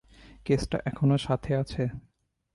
কেসটা এখনো সাথে আছে?